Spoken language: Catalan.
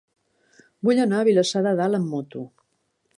Vull anar a Vilassar de Dalt amb moto.